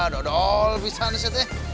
dodol pisan sih tuh